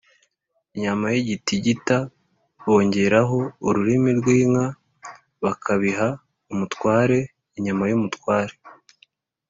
inyama y’igitigita bongeraho ururimi rw’inka bakabiha umutware (inyama y’umutware)